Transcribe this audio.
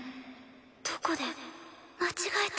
どこで間違えて